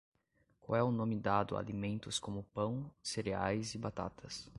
Qual é o nome dado a alimentos como pão, cereais e batatas?